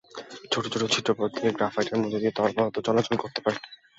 ছোট ছোট ছিদ্রপথ দিয়ে গ্রাফাইটের মধ্য দিয়ে তরল পদার্থ চলাচল করতে পারে।